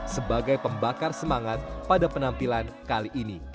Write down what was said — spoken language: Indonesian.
sebagai pembakar semangat pada penampilan kali ini